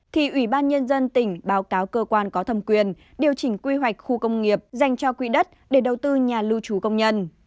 thì ủy ban nhân dân tỉnh báo cáo cơ quan có thẩm quyền điều chỉnh quy hoạch khu công nghiệp dành cho quỹ đất để đầu tư nhà lưu trú công nhân